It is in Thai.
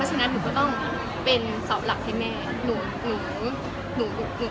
เราก็รู้สึกว่ากลับไปดูตัวเอง